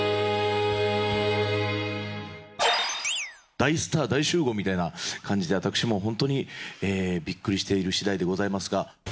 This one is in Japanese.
大スター、大集合みたいな感じで、私も本当にびっくりしているしだいでございますが。